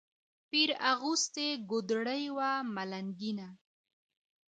پیر اغوستې ګودړۍ وه ملنګینه